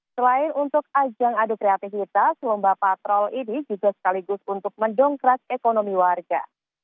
selain untuk ajang adu kreativitas lomba patrol ini juga sekaligus untuk mendongkrak ekonomi warga